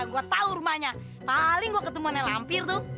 gua tahu rumahnya paling gua ketemu nelampir tuh